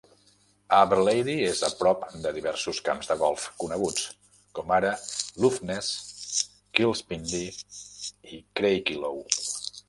Aberlady és a prop de diversos camps de golf coneguts, com ara Luffness, Kilspindie i Craigielaw.